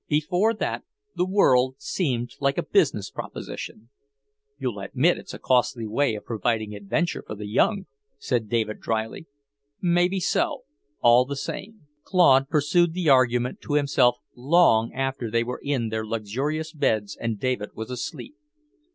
Before that, the world seemed like a business proposition." "You'll admit it's a costly way of providing adventure for the young," said David drily. "Maybe so; all the same..." Claude pursued the argument to himself long after they were in their luxurious beds and David was asleep.